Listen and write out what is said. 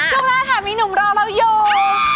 ช่วงหน้าค่ะมีหนุ่มรอเราอยู่